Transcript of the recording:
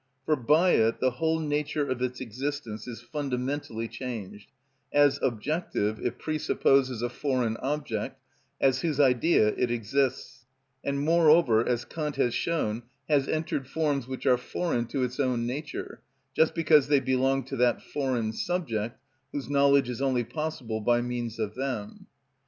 For by it the whole nature of its existence is fundamentally changed; as objective it presupposes a foreign subject, as whose idea it exists, and, moreover, as Kant has shown, has entered forms which are foreign to its own nature, just because they belong to that foreign subject, whose knowledge is only possible by means of them.